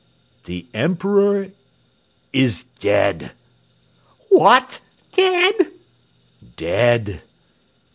"The Emperor is dead." "What! dead?" "Dead!"